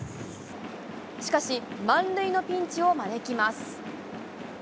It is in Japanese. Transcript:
しかし、満塁のピンチをまねきます。